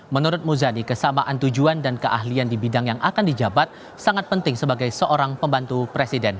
menurut muzani kesamaan tujuan dan keahlian di bidang yang akan dijabat sangat penting sebagai seorang pembantu presiden